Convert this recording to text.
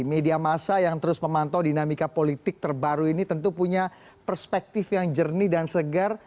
media masa yang terus memantau dinamika politik terbaru ini tentu punya perspektif yang jernih dan segar